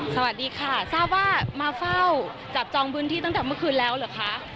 สวัสดีค่ะทราบว่ามาเฝ้าจับจองพื้นที่ตั้งแต่เมื่อคืนแล้วเหรอคะ